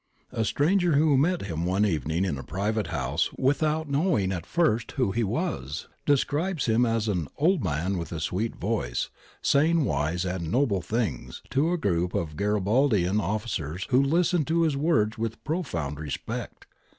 A stranger, who met him one e^^ening in a private house without knowing at first who he was, describes him as 'an old man with a sweet voice saying wise and noble things ' to a group of Garibaldian officers who listened to his words wMth profound respect.